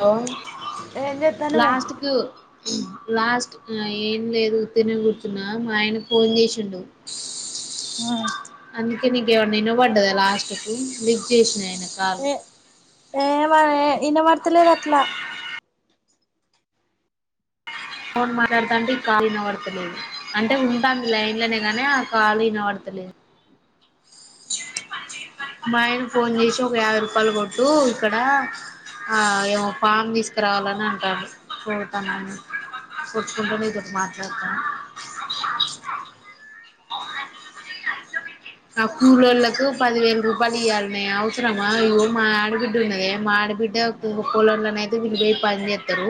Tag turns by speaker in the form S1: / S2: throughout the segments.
S1: Hello
S2: ఏం చేత్తన్నవే
S1: లాస్ట్కు లాస్ట్ ఏం లేదు ఉత్తర్ణ కూర్చునా మా ఆయన ఫోన్ చేసిండు
S2: ఆ
S1: అందుకే నీకేన్నా వినపడదా లాస్ట్కు లిఫ్ట్ చేసినన
S2: ఏ ఏ విన్నపడతలేదు అట్లా
S1: ఫోన్ మాట్లాడదాంటే ఈ కాల్ వినబడుతలేదు అంటే ఉంటంది లైన్ లోనే గానే ఆ కాల్ వినబడుత లేదు మాఆయన ఫోన్ చేసి ఒక యాభై రూపాయలు కొట్టు ఇక్కడ ఆ ఏమో ఫామ్ తీసుకురావాలని అంటారు చూతాన్నాని కూచుకుంటే నీతోటి మాట్లాడతాను [inaudible] ఆ కూలళ్ళలకు పదివేల రూపాయలు ఇవ్వాలిన్నా అవసరమా ఇ మా ఆడబిడ్డ ఉన్నదే మా డిబిట్టే పొలం అయితే వీళ్ళు పోయి పని చేస్తారు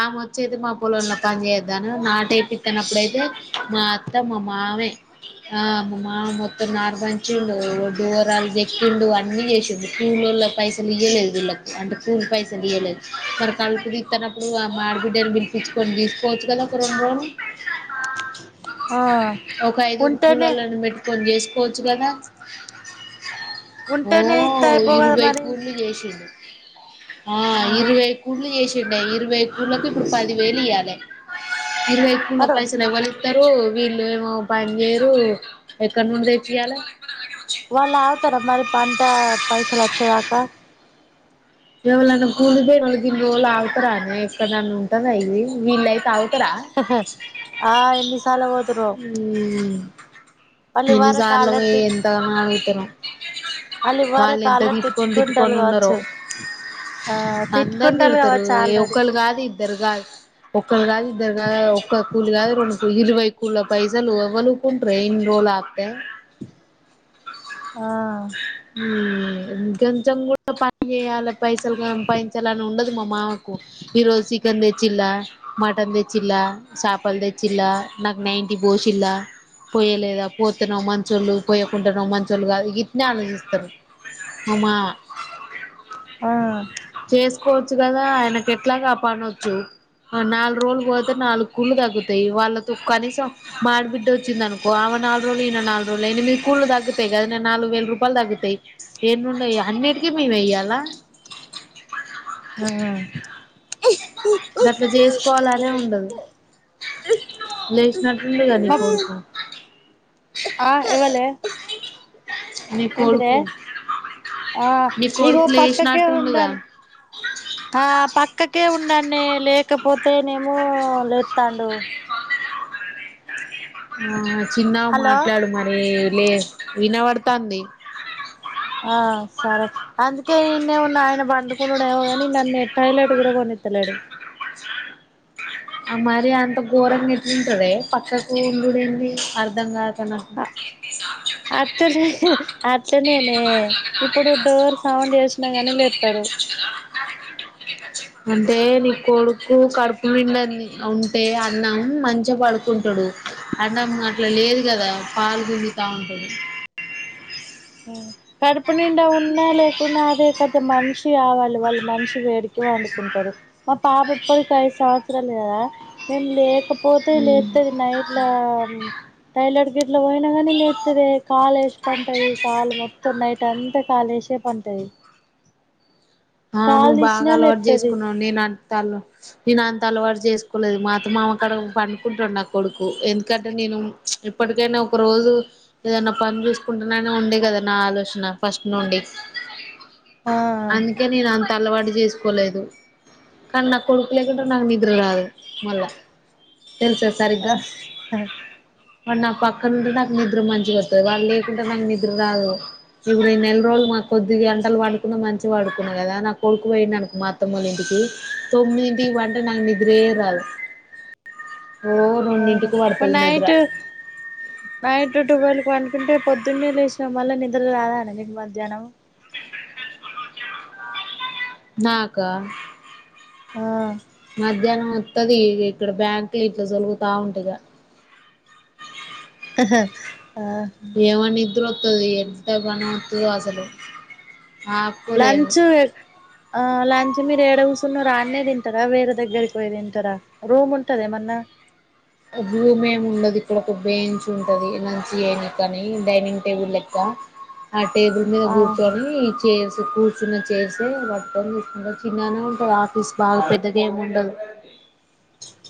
S1: ఆమె వచ్చియితే మా పొలంలో పని చేద్దా నాటే వేయిపిస్తానపుడు అయితే మా అత్త మా మామే ఆ మా మామా నారు పంచిండు డోరాలు అన్నీ చేసిండు కుల్లోలకి పైసలు ఇవయలేదు వీళ్ళకి [inaudible] [unintelligible] అంటే కూలి పైసలుయ్వలేదు మరి తలుపు తీస్తున్నప్పుడు ఆ మాడ బిడ్డని పిలిపించుకొని తీసుకోవచ్చు కదా ఒక రెండు రోజులు
S2: ఆ
S1: ఒక ఐదుగురు
S2: ఉంటేనే
S1: కూలలను పెట్టుకొని చే పోచ్చు కదా ఓ
S2: ఉంటేనే ఇత్తే అయిపోవు కదా
S1: ఇరవై
S2: మరి
S1: కూళ్లు చేసింది ఇ ఆ ఇరవై కూళ్లు చేసిండే ఇరవై కూళ్లకు ఇప్పుడు పదివేలు ఇవ్యాలి ఇరవై కుళ్ళ
S2: మరి
S1: పైసలు ఎవ్వరు ఇస్తారు వీళ్ళు ఏమో పని చేయరు ఎక్కడ నుండ ఇయ్యాల
S2: వాళ్ళు ఆగుతారా మరి పంట పైసలు వచ్చగాకా
S1: ఎవలైనా కూలి పోయిన వాళ్ళు ఎన్ని రోజులు ఆగుతారనే ఎక్కడన్న ఉంటంది అ ఇది వీళ్ళైతే ఆగుతారా
S2: ఆ ఎన్నిసార్లు పోతుర్రో
S1: ఆ
S2: వాళ్ళు ఇవ్వరకు
S1: ఇనిసార్లు
S2: ఆల్రెడీ
S1: పోయి
S2: తిట్టు
S1: ఎంతగాన తరు వాళ్ళు
S2: ఇవ్వరకు
S1: ఎంత
S2: ఆల్రెడీ
S1: తిట్టుకొని
S2: తిట్టుకుంటాలు
S1: తిట్టుకొని ఉన్నార
S2: కావచ్చు ఆ
S1: అందరు
S2: తిట్టుకుంటాలు
S1: తిడతారు
S2: కావచ్చు
S1: ఏ
S2: ఆల్రెడీ
S1: ఒకలు కాదు ఇద్దరు కాదు ఒక్క కాదు ఇద్దరు కా ఒక్క కూలి కా రెడు ఇరువై కుుల్ పైసలు ఎవళ్ళూ ఊరుకుంటారే ఇన్ రోజులు ఆపితే [inaudible] [unintelligible]
S2: ఆ
S1: కొంచెం కూడా పని చేయాలి పైసలు సంపాదించాలి అని ఉండదు మా మామకు ఈ రోజు చికెన్ తెచ్చలా మటన్ తెచ్చలా చపలు తెచ్చచలా నాకు నైంటి పోసిల పోయలేదా పోత్తనేమో మంచోళ్ళు పోయకుంటనేమో మంచోళ్ళు కాదు గిట్నే ఆలోచిస్తారు అంటరు మా [inaudible]
S2: ఆ
S1: చేసుకోవచ్చు గదా ఆయనకెట్లాగు ఆ పనొచ్చు నాలుగు రోలు పోతే నాలుగు కుళ్ళు తగ్గుతాయి వాళ్ళతో కనీసం మాడిబిడ్డ వచ్చిందనుకో ఆమ నాల్ రోలు ఇనా నాల్ రోలు ఎనిమిది కూళ్లు తగ్గుతాయి కదనే నాలుగు వేల రూపాలు తగ్గుతయి ఏంన్రున్నాయి అన్ని [inaudible] అన్నిటికి మేమే ఇయ్యాల
S2: ఆ
S1: గట్లా చేసుకోవాలనే ఉండదు లేసినట్టుండుగా నీ
S2: ఆ
S1: కొడుకు
S2: ఆ ఎవలే
S1: నీ
S2: ఏంటిదే
S1: కొడుకు
S2: ఆ
S1: నీ
S2: ఇగో
S1: కొడుకు
S2: పక్కకే
S1: లేచినట్టుండుగా
S2: ఉండల్ ఆ పక్కకే ఉన్ నన్నే లేకపోతేనేమో లేత్తండు
S1: ఆ చిన్నగా
S2: హలో
S1: మాట్లాడు మరి లే వినవడుతాంది
S2: ఆ సరే అందుకేే ఇన్నే ఉన్నా ఆయన పండుకుండుడేమోగాని నన్నే టాయిలెట్ కూడా పొనిత్ త్తలేడు
S1: [unintelligible] [inaudible] ఆ మరి అంత ఘోరంగా ఎట్లుంటవే పక్కకు ఉండుడేంది అర్ధం కాద్ అన్నట్టు
S2: అట్లనే అట్లనేనే ఇప్పుడు డోర్ సౌండ్ చేసినా కానీ లేత్తడు. ఉ
S1: అంటే నీ కొడుకు కడుపు నిండంది ఉంటే అన్నం మంచిగ పడుకుంటడు అన్నం అట్లా లేదు గదా పాలుగున్ తింటా ఉంటడు
S2: కడుపు నిండా ఉన్నా లేకున్న అదే కత మనిషి కావాలి వాళ్ మనిషి వేడికి పండుకుంటరు మా పాప ఇప్పటికి ఐదు సంవత్సరాలు కదా నేన్ లేకపొ పోతే లేత్తది నైట్ల టైలెట్ గిట్ల పోయినా కానీ లేత్తదే కాలేసి పంటది. కాలు మొత్తం నైట్ అంతా కాలేసే పంటది.
S1: ఆ
S2: కాలు
S1: నువ్వు బాగా
S2: తీసినా
S1: అలవాట్
S2: లేత్తది
S1: చేసుకున్నావు నేను అ అల్ నేనంత అలవాటు చేసుకోలేదు. మా అత్త మామకాడ పండుకుంటడు. నా కొడుకు ఎందుకంటే నేను ఎప్పటికైనా ఒక రోజు ఏదన్న పన్ చూసుకుంటున్నానే ఉండే కదా నా ఆలోచన ఫస్ట్ నుండి
S2: ఆ అ
S1: అందుకే నేను అంత అలవాటు చేసుకోలేదు కని నా కొడుకులేకుంటే నాకు నిద్ర రాదు మళ్ళ తెలుసా సరిగ్గా వాడ్ నా పక్కనుం నాకు నిద్ నిద్ర మంచిగత్తది. వాడ్ లేకుంటే నాక్ నిద్ర రాదు. ఇప్పుడు ఈ నెల్రోజులు మాక్ కొద్ది గంటలు పడుకున్నా మంచిగా పడుక్ కున్నా కదా నా కొడుకుపోయిండనుకో మా అత్తమ్మోలింటికి తొమ్మిదింటికి పంటే నాకు నిద్రే రాదు. [unintelligible]
S2: అవునా
S1: రెండింటికి
S2: మర్
S1: పడుతది నిద్ర
S2: నయిట్ నైట్ టువెల్ కి పండుకుంటే పొద్దున్నే లేసినావ్. మళ్ళ నిద్ర రాదానే నీకు మధ్యాహ్నం
S1: నాకా
S2: ఆ
S1: మధ్యాహ్నం వత్తది ఇక్కడ బ్యాంకుల ఇట్ల సోలుగుతా ఉంట ఇగ
S2: అహ్ హా
S1: ఏమ నిద్ర వత్తది ఎంతగానో ఒత్తదో అసలు ఆప్కొలేను
S2: లంచ్ ఆ లంచ్ మీరు ఏడ కూసున్నరాన్నే తింటరా వేరే దగ్గరికి పోయ్ తింటారా రూమ్ ఉంటదేమన్నా
S1: [unintelligible] భూమ్ ఏమి ఉండదు ఇక్కడ ఒక బెంచ్ ఉంటది. మంచి అయినా కానీ డైనింగ్ టేబుల్ లెక్క ఆ టేబుల్ మీద
S2: ఆహా
S1: కూర్చొని చైర్స్ కూర్చున్న చేర్సె పట్టకొని సుకుంటారు చిన్ననే ఉంటది ఆఫీస్ బాగా పెద్దగా ఏమి ఉండదు అహ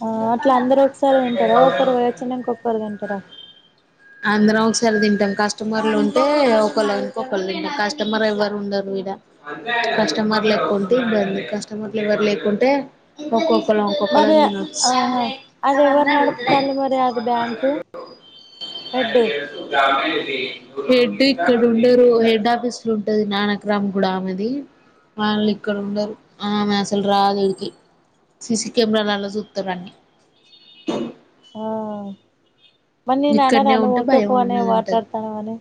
S2: ఆ అట్లా అందరు ఒకసారి తింటారా ఒకరు పోయచ్చనంక ఒక్కరు తింటరా
S1: అందరం ఒకసారి తింటాం. కస్టమర్లు ఉంటే ఒకళ్ళను ఒకళం తింటాం. కస్టమర్ ఎవ్వరు ఉండరు కస్టమర్ లేకుంటే ఇబ్బంది కస్టమర్లు ఎవరు లేకుంటే ఒక్కొక్క ఒక్కొక్కలం ఒక్కొక్కలం
S2: మరి
S1: తినచ్చు
S2: ఆహా అది ఎవరు నడుపుతాళ్ళు మరి అది బ్యాంకు హెడ్
S1: కాహ హెడ్ ఇక్కడ ఉండరు హెడ్ ఆఫీస్ లో ఉంటది నానక్రామ్ గూడ ఆమెది వాళ్ళ ఇక్కడండారు ఆమే అసలు రాదు ఈడికి సిీసిీ కెమెరాాల అలో సుత్తురన్టా
S2: మర్ నిన్ననరా
S1: ఇక్కడనే
S2: నువ్
S1: ఉంటే
S2: ఊకె
S1: భయం
S2: ఫోన్
S1: ఉన్నది
S2: వాట్లాడతానవని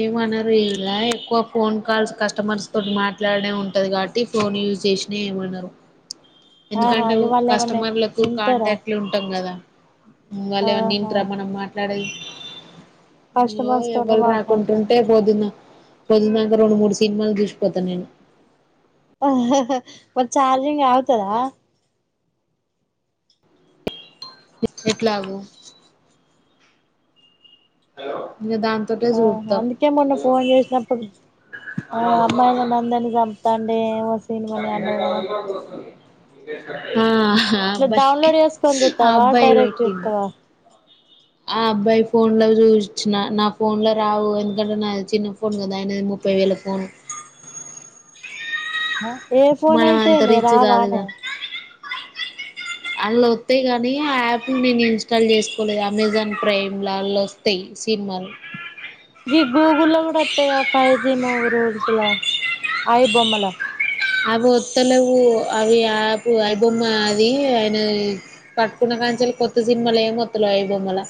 S1: ఏమన్నారు ఇలా ఎక్కువ ఫోన్ కాల్స్ కస్టమర్స్ తోటి మాట్లాడనే ఉంటది కాబట్టి ఫోన్ యూస్ చేసిన ఏమనరు
S2: ఆహా
S1: ఎందుకంటే ఓ
S2: ఇగ వాళ్ళు ఏమన్నా
S1: కస్టమర్లకు
S2: వింటారా
S1: కాంటాక్ట్లు ఉంటాం కదా వల్లేమన్న
S2: ఆహా
S1: ఇంట్రా మనం మాట్లాడేది
S2: కస్టమర్స్ తోనే
S1: ఏవల్ రాక్
S2: మాట్లాడతాను
S1: కుంటే పోద్దున్న పొద్దుందాక రెండు మూడు సినిమాలు చూసిపోతాను నేను
S2: మర్ చార్జింగ్ అగుతదా
S1: ఎట్లాగూ హలో
S2: ఆ అందుకే మొన్న ఫోన్ చేసినప్పుడు ఆ అమ్మాయిల నందరినీ సంప్తాండే వస్
S1: ఉ ఆ ఆ
S2: ఇట్లా డౌన్లోడ్
S1: అబ్బాయి
S2: చేసుకొని
S1: ఆ
S2: చూస్తావా
S1: అబ్బాయి
S2: డైరెక్ట్
S1: వెట్టిండు
S2: చూస్తావా
S1: ఆ అబ్బాయి ఫోన్ లో చూచిన నా ఫోన్ లో రావు ఎందుకంటే నాది చిన్న ఫోన్ కదా ఆయన్న ది ముప్పై వేల్ లలో ఫోన్
S2: ఏ ఫోన్ అయ్తే నే రావనే
S1: అహ అళ్ళ వథాయి గాని ఆ యాప్ నేను ఇన్స్టాల్ చేసుకోలేదు అమెజాన్ ప్రైమ్ లో అళ వస్తాయి సినిమాల్
S2: గీ గూగుల్లో కూడా వస్తాయిగా ఫైవ్ జీ మూవీ రూల్స్ లా ఐ బొమ్మల
S1: అవి వత్తలేవు అవి యాప్ అయిబొమ్మ అది ఆయనది పట్టుకున్న మంచల్ కొత్త సినిమాలే మొత్తలేవ్ ఐ బొమ్మల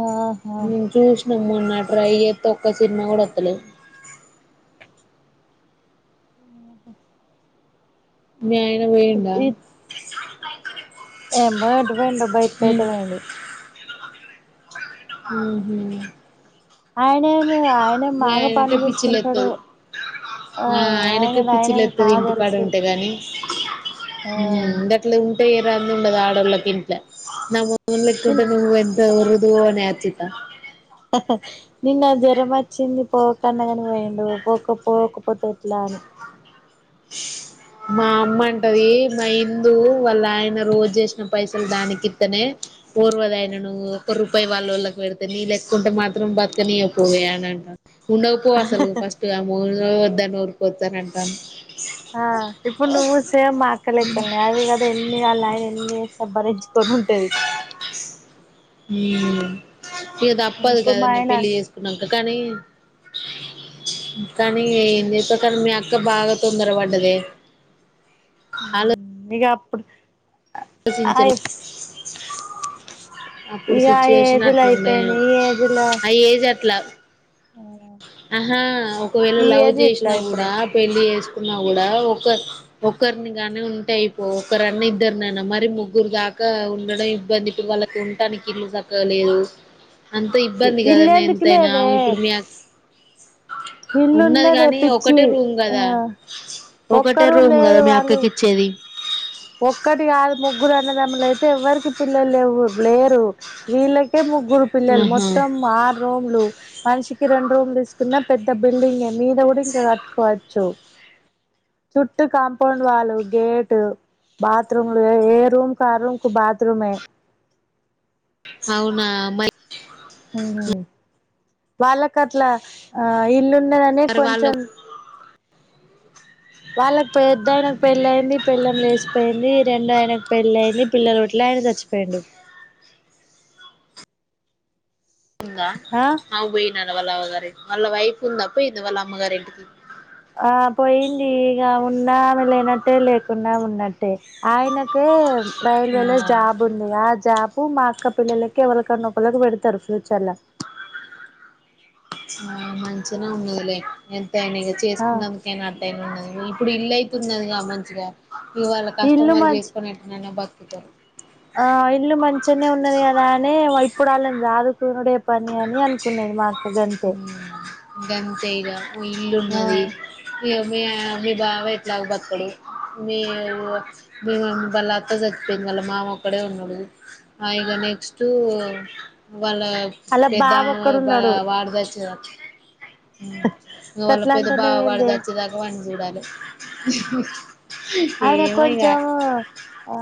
S2: ఆహా
S1: నేను చూసినా మొన్న ట్రై జేతే ఒక్క సినిమా కూడా వత్తలేవ్
S2: అఓ
S1: మీ ఆయన పోయిండ
S2: ఏం బోయ్ ఎరుపోయిండో బయిటికయితే ఓయిండు
S1: ఉ హు
S2: ఆయనేమి ఆయనేమ్ బాగా పని వేసుకుంటాడు
S1: పిచ్చిలేత్తది
S2: ఆ
S1: ఆయనకే
S2: ఆయనకాయనే బా
S1: పిచ్చిలేత్తది ఇంటికాడ
S2: తెల్సు
S1: ఉంటే గాని ఉమ్ ఉండేట్లు ఉంటే ఏం రంది ఉండదు ఆడో ళ్లకిట్ల నా మో నూన్
S2: నిన్
S1: లెక్కుంటే నువ్వు ఎంత ఉర్దువు అని ఆచిత
S2: నిన్న జ్వరం వచ్చింది పోకన్నా కాని పోఇన్డు పోకపోకపోతే ఎట్లా అని
S1: మా అమ్మ అంటది మా ఇందూ వాళ్ళ ఆయన రోజు చేసిన పైసలు దానికిత్తనే పర్వద ఆయన నువ్వు ఒక్క రూపాయి వాళ్ళ వాళ్ళకి పెడితే నీ లేకుంటే మాత్రం బతుకనియక పోవే అని అంటాను ఉండకపో అసలు ఫస్ట్గా మో ఓ వద్దని ఊరుకోచ్చనంటాండు
S2: ఎక్కలెక్కలని అది కదా ఎన్ని వాళ్ళ ఆయన ఎన్ని చేసినా భరించుకొని ఉంటది
S1: ఉమ్ ఇగ దప్పదు
S2: ఇప్పుడు మా
S1: కదా
S2: ఆయన
S1: పెళ్ళి చేేసుకున్నాన్క కానీ కానీ ఎంచేసుకుంటారు మీ అక్ ట్లో బాగా తొందర పడ్డదే
S2: ఇక అప్పుడు ఆ
S1: ఆశించలే ఇప్పుడు
S2: ఇక ఆ
S1: సిచ్యువేషన్
S2: ఏజ్ లో
S1: అట్లుండయి
S2: అయిపోయినాయి ఈ ఏజ్ లో
S1: అ ఏజ్ అట్లా ఆహా ఒకవేళ
S2: ఈ
S1: లవ్
S2: ఏజ్ ఇట్లా
S1: చేసినా కూడా
S2: ఇప్పుడు
S1: పెళ్ళి చేస్ ఉన్నా కూడా ఒక ఒకరిని గానే ఉంటే అయిపో ఒకరన్న ఇద్దరిైనా మర ముగ్గురు దాకా ఉండడం ఇబ్బంది వాళ్ళకి ఉటానికి ఇల్లు చక్కగా లేదు అంత ఇబ్బంది కద నే
S2: ఇల్లేందుకు
S1: ఎంతైన
S2: లేదే
S1: ఇప్పుడు మీక్ ఉన్నది
S2: ఇల్లున్నదే
S1: కానీ
S2: పిచ్చి
S1: ఒకటే రూమ్
S2: ఆ
S1: కదా ఒక కట్టే
S2: ఒక్క
S1: రూమ్ కద
S2: లేదు
S1: మీ ఆక్క
S2: వాళ్ళు
S1: కిచ్చేది
S2: ఒక్కటి కాదు ముగ్గురు అన్నదమ్ములు అయితే ఎవ్వరికి పిల్లలు లే లేరు వీళ్ళకే ముగ్ రు పిల్లలు
S1: ఆహా
S2: మొత్తం ఆరు రూమ్ లు మనిషికి రెండు రూమ్లు తీసుకున్న పెద్ద బిల్డింగ్ మీద కూడ ఇంకా కట్టుకోవచ్చు చుట్టూ compound wall gate bath room లు ఏ రూమ్ క ఆ రూమ్ కు బాత్ రూమే
S1: అవునా
S2: వల్ల కట్ల [unintelligible] [unintelligible]
S1: మరి వాళ్ళ
S2: కొంచెం వాళ్ళకి పెద్ద ఆయనకు పెళ్ళి అయింది పెళ్లం లేచిపోయింది రెండు ఆయనకు పెళ్లి అయింది పిల్లలు పుట్ల ఆయన చచ్చిపో యుండు
S1: ఉందా అ పోయిన వాళ్ళ అవ్వగారు వాళ్ళ వైఫ్ ఉంద పోయిందా వాళ్ళ అమ్మగారు ఇంటికి
S2: ఆ పోయింది ఇక ఉన్నా లేనట్టే లేకున్నా ఉన్నట్టే ఆయనకు రైల్వే లో
S1: ఆ
S2: జాబ్ ఉంది ఆ జాబ్ అప్పు మా అక్క పిల్లలకి [unintelligible] పెడతారు ఫ్యూచర్లా
S1: ఆ మంచిగా ఉన్నదులే ఎంతని ఇక
S2: ఆ
S1: చేసుకుంటే అందుకేనా అట్టయిన ఉన్నది ఇప్పుడు ఇల అయితుందిదిగా మంచిగా ఇ వాళ్ళ కష్టం
S2: ఇల్లు
S1: వాళ్ళు
S2: మంచి
S1: చేసుకోని ఎట్టున్న బతుకుతారు
S2: ఆ ఇల్లు మంచిగానే ఉన్నది కదా అని ఇప్పుడు వాళ్ళ [unintelligible] పని అని అనుకునేది మా అక్క గంతే
S1: గంతే గా
S2: ఆ
S1: ఇల్లున్నది మీ మీ బావట్లాగ బతకడు మీ మీ బళతో చచ్చిపోయి వాళ మామ ఒక్కడే ఉన్నాడు ఇగ నెక్స్ట్ వాళ్ళ
S2: అలా
S1: పెద్ద
S2: బావ ఒక్కడు ఉన్నాడు
S1: వాడు [unintelligible] ఇవల్ళ
S2: గట్లా
S1: పెద్ద బావ
S2: అంటన్నావ్ ఏందే
S1: పడిచచ్చేదాకా వాన్ని చూడాలి
S2: ఆయన
S1: ఏమోయిగ
S2: కొంచెం ఆ